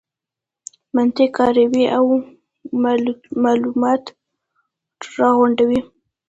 منطق کاروي او مالومات راغونډوي.